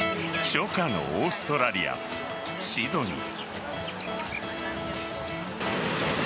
初夏のオーストラリアシドニー。